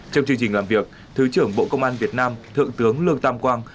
trong chương trình làm việc thứ trưởng bộ công an việt nam thượng tướng lương tam quang